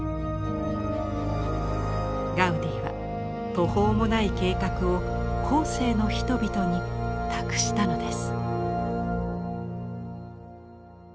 ガウディは途方もない計画を後世の人々に託したのです。